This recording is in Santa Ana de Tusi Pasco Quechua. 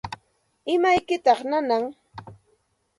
¿Imaykitaq nanan?